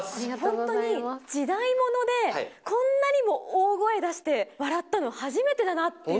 本当に時代物でこんなにも大声出して笑ったの初めてだなっていう。